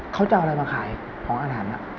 เขาจะเอาอะไรมาขายของอาถรรพ์